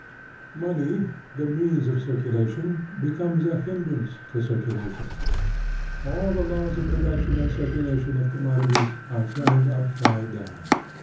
Money, the means of cir culation, becomes a hindrance to circulation. All the laws of production and circulation of commodities are turned upside down.